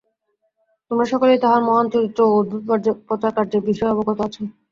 তোমরা সকলেই তাঁহার মহান চরিত্র ও অদ্ভুত প্রচারকার্যের বিষয় অবগত আছ।